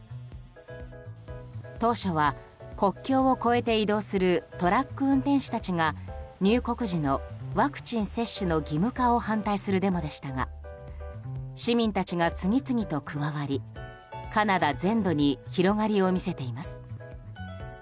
当初は国境を越えて移動するトラック運転手たちが入国時のワクチン接種の義務化を反対するデモでしたが市民たちが次々と加わりカナダ全土に広がりを見せています。